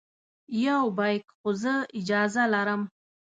یو بیک خو زه اجازه لرم.